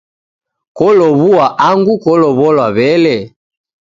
Kolow'ua angu kolow'olwa wele!